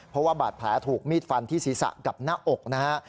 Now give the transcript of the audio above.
เพราะว่าบาดแผลถูกมีดฟันที่ศีรษะกับหน้าอกนะฮะ